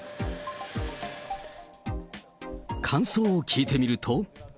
感想を聞いてみると。